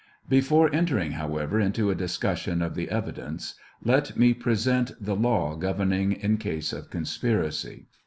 Before entering, however, into a discussion of the evidence, let me present the law governing in cases of conspiracy.